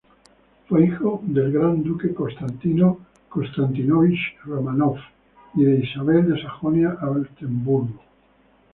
Fue hijo del gran duque Constantino Konstantínovich Románov y de Isabel de Sajonia-Altemburgo.